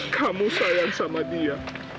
kamu sayang sama dia